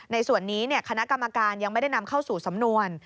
ในส่วนนี้คณะกรรมการยังไม่ได้นำเข้าสู่สำนวน